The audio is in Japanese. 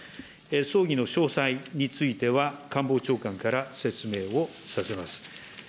葬儀の詳細については、官房長官から説明をさせます。